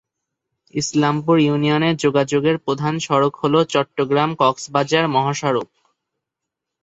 ইসলামপুর ইউনিয়নে যোগাযোগের প্রধান সড়ক হল চট্টগ্রাম-কক্সবাজার মহাসড়ক।